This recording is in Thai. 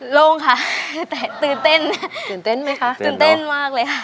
แล้วครับตื่นเต้นมากเลยครับ